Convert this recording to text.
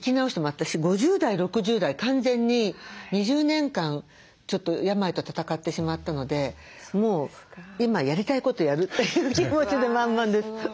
私５０代６０代完全に２０年間ちょっと病と闘ってしまったのでもう今やりたいことやるという気持ちで満々です。